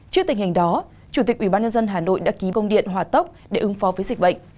trước tình hình đó chủ tịch ubnd hà nội đã ký công điện hòa tốc để ứng phó với dịch bệnh